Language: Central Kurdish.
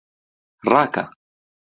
ڕاکە!